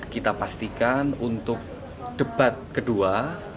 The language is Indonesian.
kita pastikan untuk debat kedua